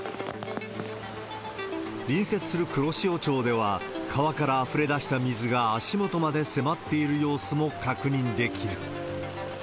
隣接する黒潮町では、川からあふれ出した水が足元まで迫っている様子も確認できる。